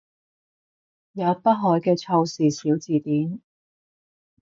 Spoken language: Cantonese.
有北海嘅曹氏小字典